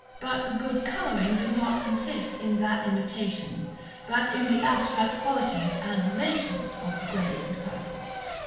But the good coloring does not consist in that imitation, but in the abstract qualities and relations of the grey and purple.